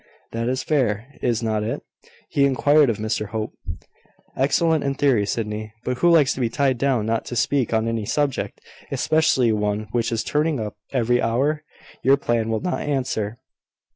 "That is fair, is not it?" he inquired of Mr Hope. "Excellent in theory, Sydney; but who likes to be tied down not to speak on any subject, especially one which is turning up every hour? Your plan will not answer."